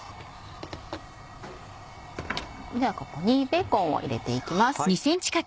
ではここにベーコンを入れていきます。